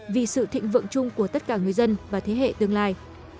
vì sự thịnh vượng chung của tất cả người dân và thế hệ tương lai